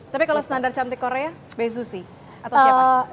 tapi kalau standar cantik korea besusi atau siapa